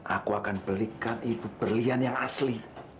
aku akan belikan ibu berlian yang asli